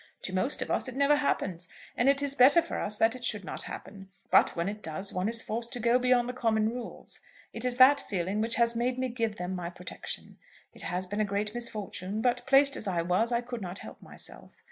To most of us it never happens; and it is better for us that it should not happen. But when it does, one is forced to go beyond the common rules. It is that feeling which has made me give them my protection. It has been a great misfortune; but, placed as I was, I could not help myself.